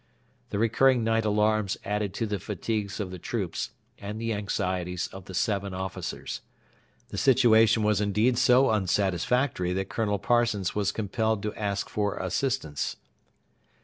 The recurring night alarms added to the fatigues of the troops and the anxieties of the seven officers. The situation was indeed so unsatisfactory that Colonel Parsons was compelled to ask for assistance.